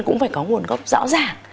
cũng phải có nguồn gốc rõ ràng